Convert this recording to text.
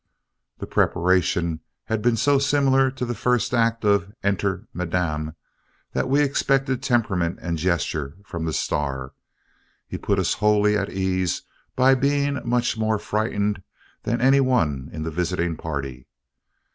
The preparation had been so similar to the first act of "Enter Madame" that we expected temperament and gesture from the star. He put us wholly at ease by being much more frightened than any one in the visiting party.